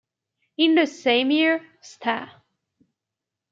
In the same year, Sta.